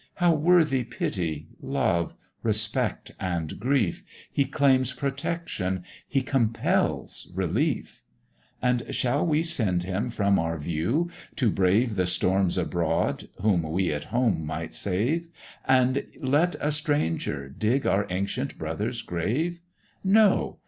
How worthy pity, love, respect, and grief He claims protection he compels relief; And shall we send him from our view, to brave The storms abroad, whom we at home might save, And let a stranger dig our ancient brother's grave? No!